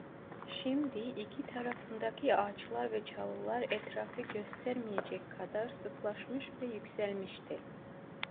Şimdi iki tarafındaki ağaçlar ve çalılar etrafı göstermeyecek kadar sıklaşmış ve yükselmişti.